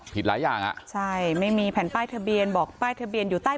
หลายอย่างอ่ะใช่ไม่มีแผ่นป้ายทะเบียนบอกป้ายทะเบียนอยู่ใต้